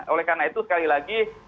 oleh karena itu sekali lagi